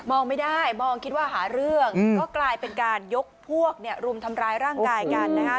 ไม่ได้มองคิดว่าหาเรื่องก็กลายเป็นการยกพวกเนี่ยรุมทำร้ายร่างกายกันนะฮะ